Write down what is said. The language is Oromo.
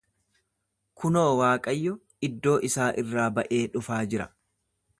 Kunoo, Waaqayyo iddoo isaa irraa ba'ee dhufaa jira.